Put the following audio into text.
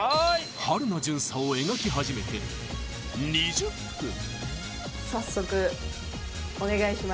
春菜巡査を描き始めて２０分早速お願いします